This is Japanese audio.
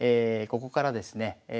ここからですね